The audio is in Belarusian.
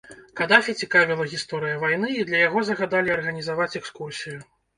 Кадафі цікавіла гісторыя вайны, і для яго загадалі арганізаваць экскурсію.